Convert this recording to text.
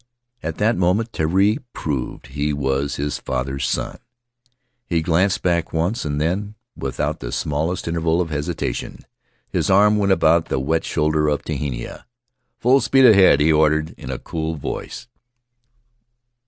"At that moment Terii proved that he was his father's son. He glanced back once, and then, with out the smallest interval of hesitation, his arm went about the wet shoulder of Tehina. "'Full speed ahead,' he ordered in a cool voice."